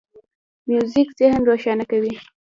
موزیک ذهن روښانه کوي.